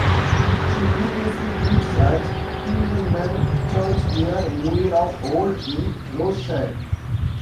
She previously preached at Killearnan Church, near Muir of Ord in Ross-Shire.